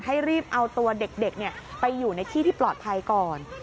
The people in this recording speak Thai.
ให้รีบเอาตัวเด็กไปอยู่ในที่ที่ปลอดภัยก่อน